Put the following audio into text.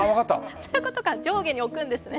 そういうことか上下に置くんですね。